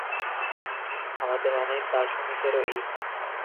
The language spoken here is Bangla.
আমাদের অনেক দার্শনিকেরও এই মত।